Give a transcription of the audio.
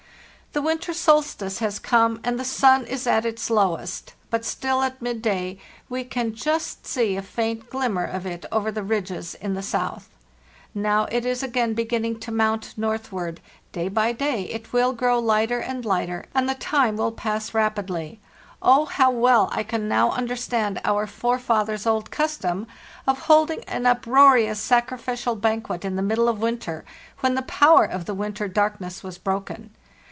"The winter solstice has come, and the sun is at its lowest; but still at midday we can just see a faint glim mer of it over the ridges in the south. Now it is again beginning to mount northward; day by day it will grow lighter and lighter, and the time will pass rapidly. Oh, how well I can now understand our forefathers' old cus tom of holding an uproarious sacrificial banquet in the middle of winter, when the power of the winter dark ness was broken.